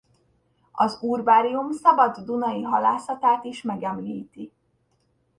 Az urbárium szabad dunai halászatát is megemlíti.